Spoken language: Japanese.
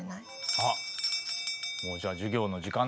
あっもうじゃあ授業の時間だ。